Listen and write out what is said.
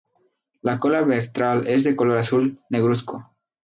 La cola ventral es de color azul negruzco.